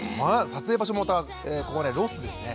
撮影場所もまたここはロスですね。